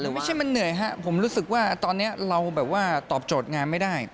ไม่ใช่มันเหนื่อยฮะผมรู้สึกว่าตอนนี้เราแบบว่าตอบโจทย์งานไม่ได้